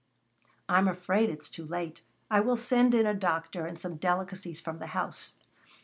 "I'm afraid it's too late. I will send in a doctor, and some delicacies from the house."